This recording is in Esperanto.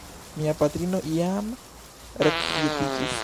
Mia patrino jam rekvietiĝis.